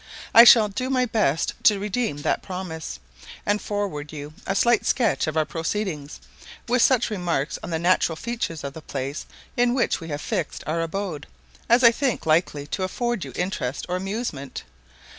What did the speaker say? I shall do my best to redeem that promise, and forward you a slight sketch of our proceedings, with such remarks on the natural features of the place in which we have fixed our abode, as I think likely to afford you interest or amusement.